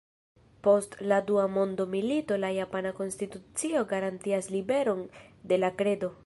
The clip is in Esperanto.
Post la mondomilito la japana konstitucio garantias liberon de la kredo.